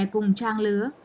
cùng trang lứa